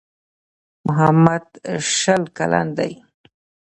محمد شل کلن دی.